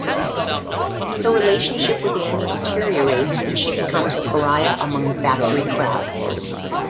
Her relationship with Andy deteriorates and she becomes a pariah among the Factory crowd.